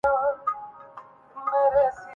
ہم ایوارڈز کی تاریخ تبدیل کرنا ناممکن تھا